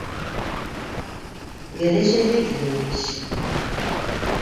Гәрәй Шәйхетдинович...